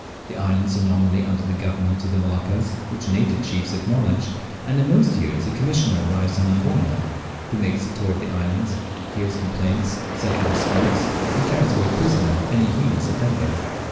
The islands are nominally under the government of the Moluccas, which the native chiefs acknowledge; and in most years a commissioner arrives from Amboyna, who makes the tour of the islands, hears complaints, settle disputes, and carries away prisoner any heinous offender.